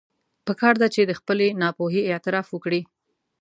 پکار ده چې د خپلې ناپوهي اعتراف وکړي.